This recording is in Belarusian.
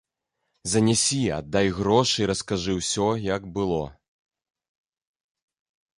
Занясі, аддай грошы і раскажы ўсё, як было.